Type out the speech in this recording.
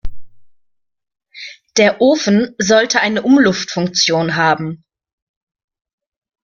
Der Ofen sollte eine Umluftfunktion haben.